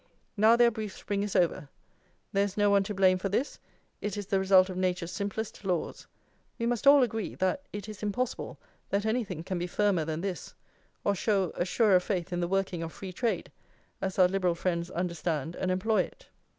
Now their brief spring is over. There is no one to blame for this; it is the result of Nature's simplest laws!" We must all agree that it is impossible that anything can be firmer than this, or show a surer faith in the working of free trade, as our Liberal friends understand and employ it.